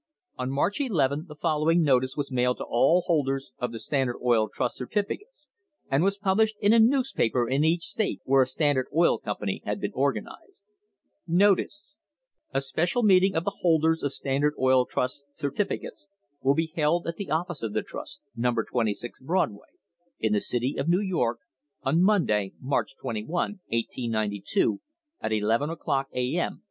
On March 1 1 the following notice was mailed to all holders of Standard Oil Trust certificates, and was published in a newspaper in each state where a Stand ard Oil Company had been organised: NOTICE A special meeting of the holders of Standard Oil Trust certificates will be held at the office of the trust, Number 26 Broadway, in the City of New York, on Monday, March 21, 1892, at eleven o'clock A.M.